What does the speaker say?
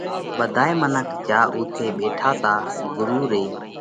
ٻڌائِي منک جيا اُوٿئہ ٻيٺا تا ڳرُو رئي